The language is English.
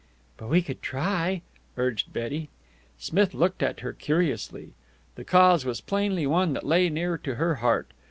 "But we could try," urged Betty. Smith looked at her curiously. The cause was plainly one that lay near to her heart.